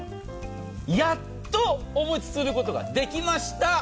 やっとお持ちすることができました。